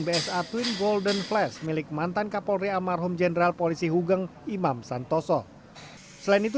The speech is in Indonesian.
bsa twin golden flash milik mantan kapolri almarhum jenderal polisi hugeng imam santoso selain itu